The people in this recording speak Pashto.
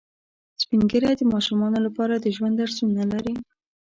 سپین ږیری د ماشومانو لپاره د ژوند درسونه لري